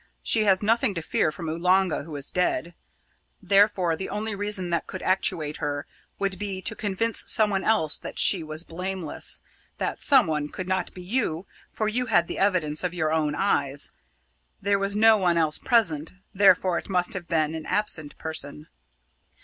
She has nothing to fear from Oolanga, who is dead. Therefore the only reason which could actuate her would be to convince someone else that she was blameless. This 'someone' could not be you, for you had the evidence of your own eyes. There was no one else present; therefore it must have been an absent person."